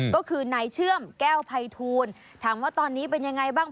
ก็คือนายเชื่อมแก้วภัยทูลถามว่าตอนนี้เป็นยังไงบ้าง